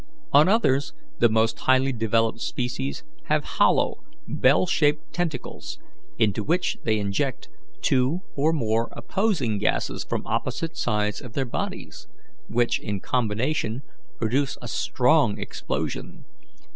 On others, the most highly developed species have hollow, bell shaped tentacles, into which they inject two or more opposing gases from opposite sides of their bodies, which, in combination, produce a strong explosion.